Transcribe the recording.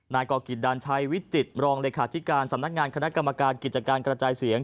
ก่อกิจดานชัยวิจิตรองเลขาธิการสำนักงานคณะกรรมการกิจการกระจายเสียง